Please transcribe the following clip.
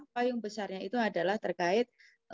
payung besarnya itu adalah terkait